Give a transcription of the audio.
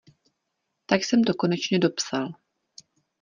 Tak jsem to konečně dopsal.